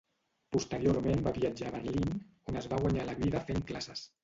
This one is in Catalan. Posteriorment va viatjar a Berlín, on es va guanyar la vida fent classes.